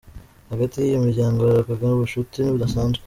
Hagati y’iyo miryango harangwaga ubucuti budasanzwe.